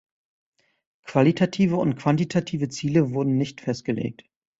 Qualitative und quantitative Ziele wurden nicht festgelegt.